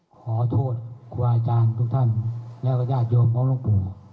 ขอโทษครูอาจารย์ทุกท่านและก็ญาติโยมของหลวงปู่